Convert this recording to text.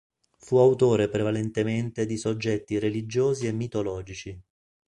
Fu autore prevalentemente di soggetti religiosi e mitologici.